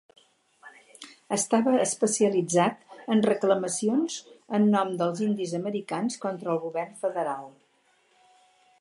Estava especialitzat en reclamacions en nom dels indis americans contra el govern federal.